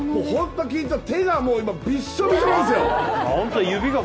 今、手がびっしょびしょなんですよ